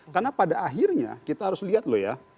karena pada akhirnya kita harus lihat loh ya